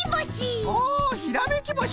ひらめきぼし！